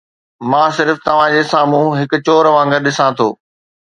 مان صرف توهان جي سامهون هڪ چور وانگر ڏسان ٿو.